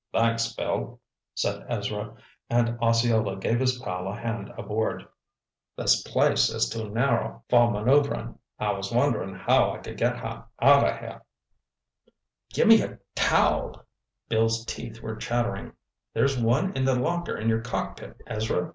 "Thanks, Bill," said Ezra, and Osceola gave his pal a hand aboard. "This place is too narrow for manœuvering. I was wonderin' how I could get her out of here." "Gimme a towel!" Bill's teeth were chattering. "There's one in the locker in your cockpit, Ezra.